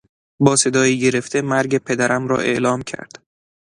با صدایی گرفته مرگ پدرم را اعلام کرد.